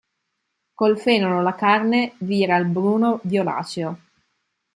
Con fenolo la carne vira al bruno-violaceo.